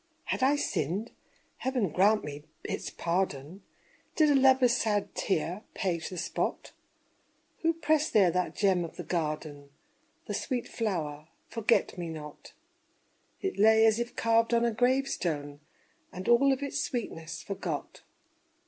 Had I sinned? Heaven grant me its pardon. Did a lover's sad tear the page spot? Who pressed there that gem of the garden The sweet flower, "forget me not?" It lay as if carved on a grave stone, And all of its sweetness forgot.